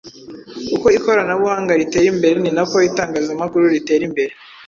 Uko ikoranabuhanga ritera imbere ni na ko itangazamakuru ritera imbere,